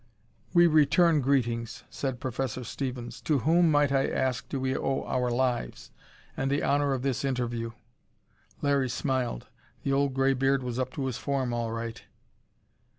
"We return greetings!" said Professor Stevens. "To whom, might I ask, do we owe our lives, and the honor of this interview?" Larry smiled. The old graybeard was up to his form, all right!